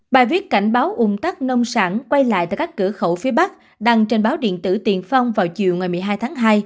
bài viết cảnh báo ung tắc nông sản quay lại tại các cửa khẩu phía bắc đăng trên báo điện tử tiền phong vào chiều một mươi hai tháng hai